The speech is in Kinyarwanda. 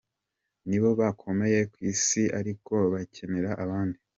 Ni bo bakomeye ku isi ariko bakenera abandi.